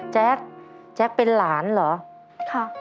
แจ๊คแจ๊กเป็นหลานเหรอ